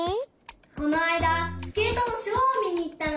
このあいだスケートのショーをみにいったの。